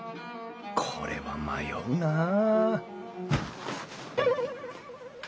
これは迷うなあ